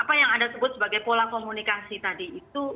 apa yang anda sebut sebagai pola komunikasi tadi itu